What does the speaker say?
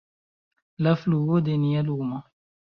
La fluo de dia lumo.